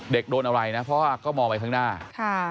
โดนอะไรนะเพราะว่าก็มองไปข้างหน้าค่ะ